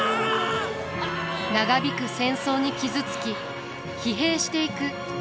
長引く戦争に傷つき疲弊していく家臣たち。